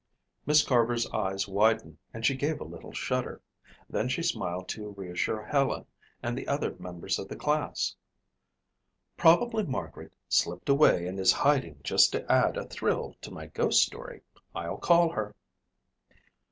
Miss Carver's eyes widened and she gave a little shudder. Then she smiled to reassure Helen and the other members of the class. "Probably Margaret slipped away and is hiding just to add a thrill to my ghost story. I'll call her."